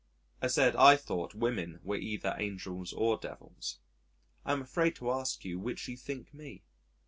I said I thought women were either angels or devils. "I am afraid to ask you which you think me."